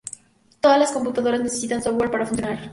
Todas las computadoras necesitan software para funcionar.